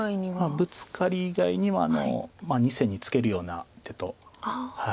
ブツカリ以外には２線にツケるような手と。